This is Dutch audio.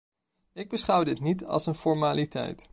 Ik beschouw dit niet als een formaliteit.